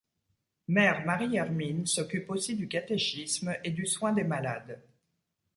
Mère Marie-Hermine s'occupe aussi du catéchisme et du soin des malades.